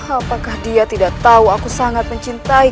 apakah dia tidak tahu aku sangat mencintai